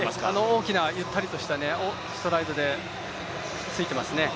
大きなゆったりとしたストライドでついていますね。